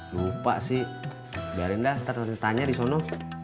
lupa sih biarin dah ntar tanya di sana